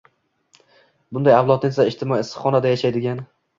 Bunday avlodni esa «ijtimoiy issiqxona»da yashaydigan